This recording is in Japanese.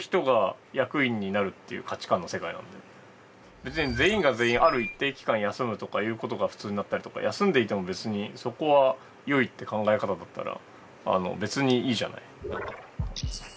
別に全員が全員ある一定期間休むとかいうことが普通になったりとか休んでいても別にそこはよいって考え方だったら別にいいじゃない何か。